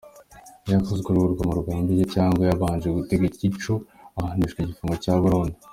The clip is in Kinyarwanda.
Iyo yakoze urwo rugomo yabigambiriye cyangwa yabanje gutega igico, ahanishwa igifungo cya burundu.